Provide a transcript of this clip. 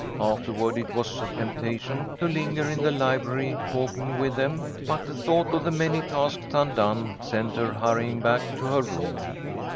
Afterward it was a temptation to linger in the library talking with them, but the thought of the many tasks undone sent her hurrying back to her room.